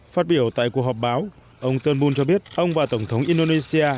phát biểu tại cuộc họp báo ông turnbul cho biết ông và tổng thống indonesia